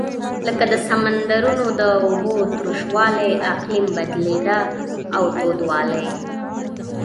لکه د سمندرونو د اوبو تروش والۍ اقلیم بدلېده او تودوالی.